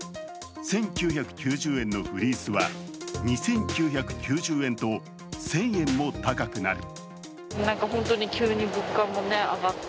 １９９０円のフリースは、２９９０円と１０００円も高くなる。